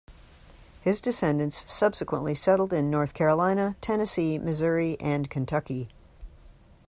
His descendants subsequently settled in North Carolina, Tennessee, Missouri and Kentucky.